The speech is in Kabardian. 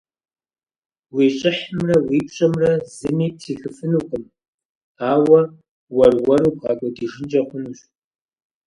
Уи щӀыхьымрэ уи пщӀэмрэ зыми птрихыфынукъым, ауэ уэр-уэру бгъэкӀуэдыжынкӀэ хъунущ.